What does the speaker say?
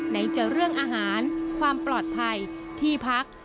จะเรื่องอาหารความปลอดภัยที่พัก